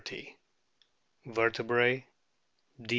Vertebrae: D.